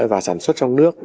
và sản xuất trong nước